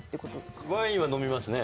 ワインは飲みますね。